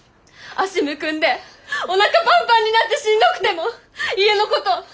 足むくんでおなかパンパンになってしんどくても家のこと